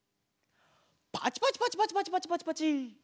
パチパチパチパチパチパチパチパチ。